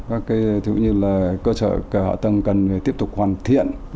các cái thứ như là cơ sở cơ hội tầng cần tiếp tục hoàn thiện